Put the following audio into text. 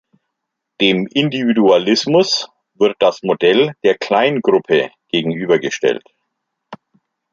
Dem Individualismus wird das Modell der Kleingruppe gegenübergestellt.